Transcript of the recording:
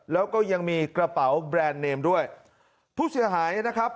แล้วก็ยังมีกระเป๋าแบรนด์เนมด้วยผู้เสียหายนะครับ